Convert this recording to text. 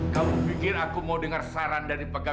kamu pikir aku mau dengar saran dari pegawai